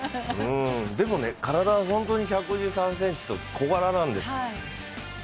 でも、体は本当に１５３ｃｍと小柄なんです。